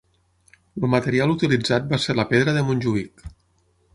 El material utilitzat va ser la pedra de Montjuïc.